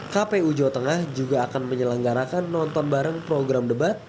kpu jawa tengah juga akan menyelenggarakan nonton bareng program debat